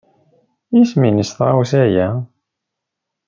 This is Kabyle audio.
Isem-nnes tɣawsa-a?